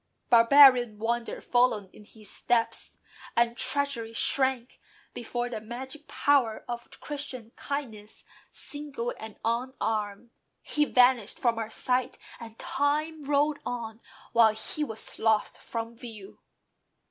Barbarian wonder followed in his steps; And treachery shrank before the magic power Of Christian kindness, single and unarmed. He vanished from our sight, and time rolled on While he was lost from view.